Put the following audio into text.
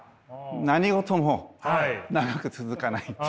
何事も長く続かない。